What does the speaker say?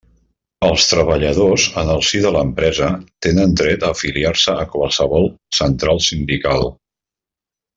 Els treballadors, en el si de l'empresa, tenen dret a afiliar-se a qualsevol central sindical.